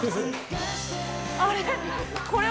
あれ？